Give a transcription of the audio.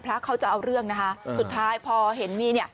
พระเขาจะเอาเรื่องนะคะสุดท้ายพอเห็นมีเนี่ย